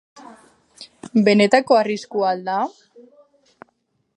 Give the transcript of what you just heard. Benetako arriskua ahal da?